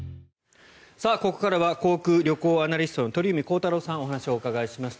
ここからは航空・旅行アナリストの鳥海高太朗さんにお話を伺います。